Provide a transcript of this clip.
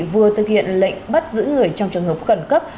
vừa thực hiện lệnh bắt giữ người trong trường hợp khẩn cấp